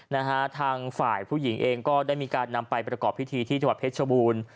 นะฮะทางฝ่ายผู้หญิงเองก็ได้มีการนำไปประกอบพิธีที่จังหวัดเพชรชบูรณ์